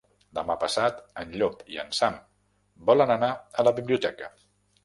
Demà passat en Llop i en Sam volen anar a la biblioteca.